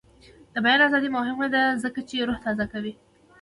د بیان ازادي مهمه ده ځکه چې روح تازه کوي.